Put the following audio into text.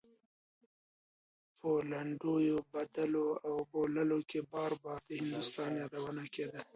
په لنډيو بدلو او بوللو کې بار بار د هندوستان يادونه کېده.